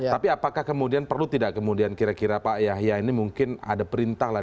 tapi apakah kemudian perlu tidak kemudian kira kira pak yahya ini mungkin ada perintah lah